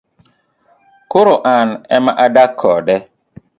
koro an ema adak kode